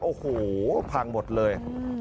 โอ้โหพังหมดเลย